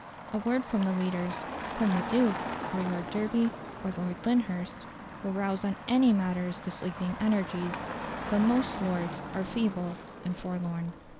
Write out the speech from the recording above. A word from the leaders, from "the Duke," or Lord Derby, or Lord Lyndhurst, will rouse on any matters the sleeping energies; but most Lords are feeble and forlorn.